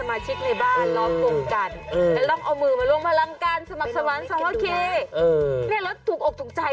มือสอบมือสอบแล้วก็มือน้องหมา